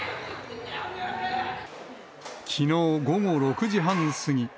きのう午後６時半過ぎ。